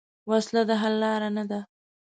وسله د حل لار نه ده